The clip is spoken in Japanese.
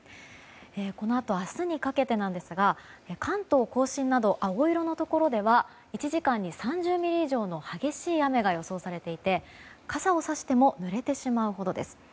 このあと明日にかけて関東・甲信など青色のところでは１時間に３０ミリ以上の激しい雨が予想されていて傘をさしてもぬれてしまうほどです。